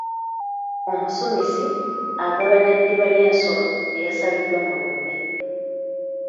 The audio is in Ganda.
Omusumisi agabana ddiba ly’ensolo eyasaliddwa mu lumbe.